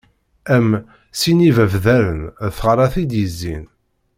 Am: sin n yibabdaren, d tɣalaṭ i d-yezzin.